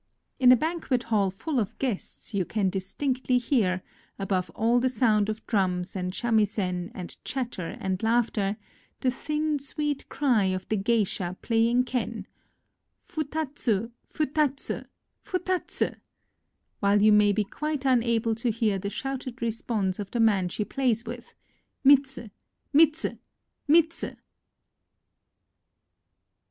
In a banquet hall full of guests, you can distinctly hear, above all the sound of drums and samisen and chatter and laugh ter, the thin, sweet cry of the geisha playing ken, —" Futatsu ! futatsu ! futatsu I "— while you may be quite unable to hear the shouted response of the man she plays with, — ^^Mitsu! mitsu! mitsu!"